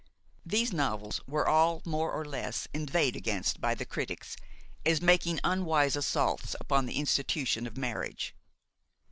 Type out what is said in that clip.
These novels were all more or less inveighed against by the critics, as making unwise assaults upon the institution of marriage.